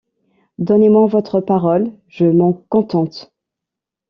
Donnez-moi votre parole, je m’en contente.